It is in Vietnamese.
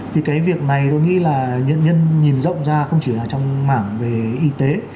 thì cái việc này tôi nghĩ là nghệ nhân nhìn rộng ra không chỉ là trong mảng về y tế